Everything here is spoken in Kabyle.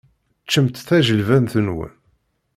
Ččemt tajilbant-nwent.